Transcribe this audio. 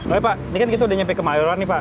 oke pak ini kan kita udah nyampe ke malloran nih pak